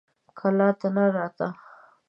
کلا ته نه راته.